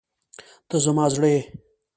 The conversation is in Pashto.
ته زما زړه یې.